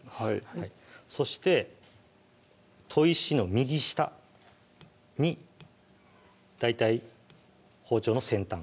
はいそして砥石の右下に大体包丁の先端